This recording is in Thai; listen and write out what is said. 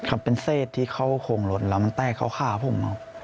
ครับเป็นเศษที่เขาโค้งหลดแล้วมันแตกเขาข้าวผม